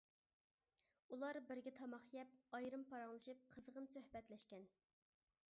ئۇلار بىرگە تاماق يەپ، ئايرىم پاراڭلىشىپ، قىزغىن سۆھبەتلەشكەن.